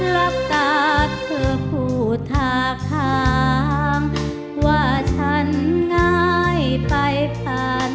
รับตาเธอพูดทาข้างว่าฉันง่ายไปผ่าน